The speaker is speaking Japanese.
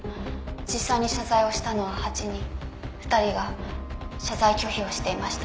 「実際に謝罪をしたのは８人」「２人が謝罪拒否をしていました」